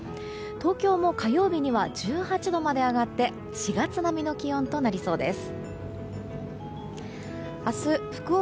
東京も火曜日には１８度まで上がって４月並みの気温となりそうです。